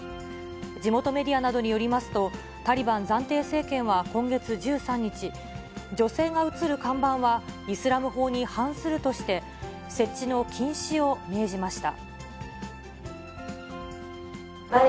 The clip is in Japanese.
地元メディアなどによりますと、タリバン暫定政権は今月１３日、女性が写る看板はイスラム法に反するとして、設置の禁止を命じました。